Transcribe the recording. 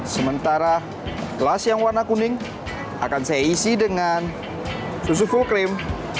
sementara gelas yang warna kuning akan saya isi dengan susu full cream